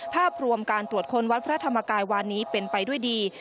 ภาพรวมการตรวจค้นวัดพระธรรมกายวานนี้เป็นไปด้วยดี